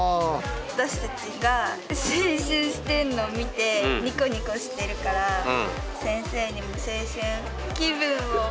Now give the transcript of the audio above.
私たちが青春してるのを見てニコニコしてるから先生にも青春気分を。